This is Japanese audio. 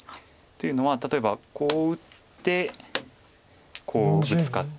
というのは例えばこう打ってこうブツカって。